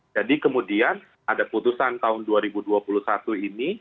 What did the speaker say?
jadi kemudian ada putusan tahun dua ribu dua puluh satu ini